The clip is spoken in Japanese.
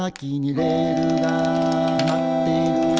「レールがーまってるー」